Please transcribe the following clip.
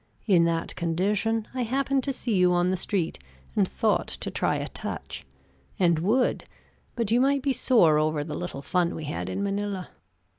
In that condition I happened to see you on the street, and thought to try a touch; and would, but you might be sore over the little fun we had in Manila.